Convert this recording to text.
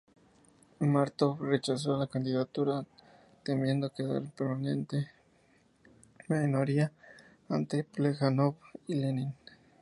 Mártov rechazó la candidatura, temiendo quedar en permanente minoría ante Plejánov y Lenin.